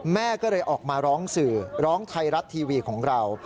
แม่ก็เลยออกมาร้องสื่อร้องไทยรัฐทีวีของเรา